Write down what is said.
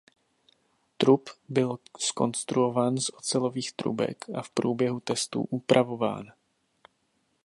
Trup byl zkonstruován z ocelových trubek a v průběhu testů upravován.